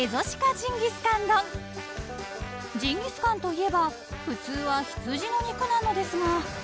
［ジンギスカンといえば普通は羊の肉なのですが］